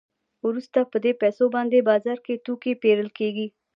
وروسته په دې پیسو باندې بازار کې توکي پېرل کېږي